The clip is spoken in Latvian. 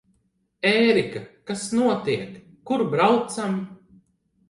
Ērika, kas notiek? Kur braucam?